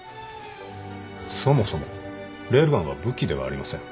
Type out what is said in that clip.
そもそもレールガンは武器ではありません